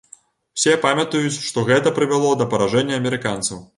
Усё памятаюць, што гэта прывяло да паражэння амерыканцаў.